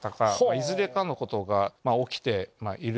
いずれかのことが起きている。